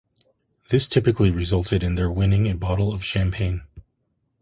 This typically resulted in their winning a bottle of champagne.